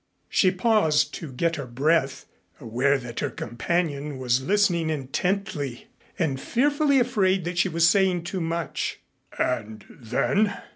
She paused to get her breath, aware that her companion was listening intently, and fearfully afraid that she was saying too much. "And then